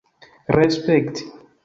respekti